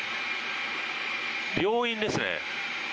病院ですね。